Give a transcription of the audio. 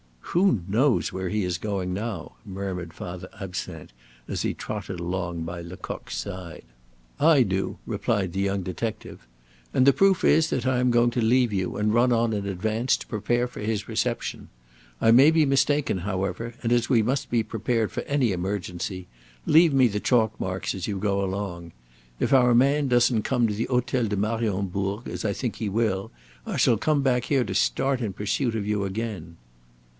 "Who knows where he is going now?" murmured Father Absinthe, as he trotted along by Lecoq's side. "I do," replied the young detective. "And the proof is, that I am going to leave you, and run on in advance, to prepare for his reception. I may be mistaken, however, and as we must be prepared for any emergency, leave me the chalk marks as you go along. If our man doesn't come to the Hotel de Mariembourg, as I think he will, I shall come back here to start in pursuit of you again."